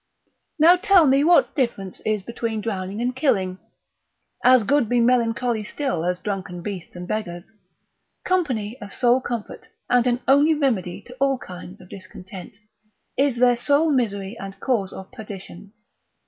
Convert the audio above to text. Now tell me what difference is between drowning and killing? As good be melancholy still, as drunken beasts and beggars. Company a sole comfort, and an only remedy to all kind of discontent, is their sole misery and cause of perdition.